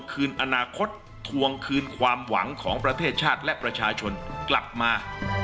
คืนอนาคตทวงคืนความหวังของประเทศชาติและประชาชนกลับมา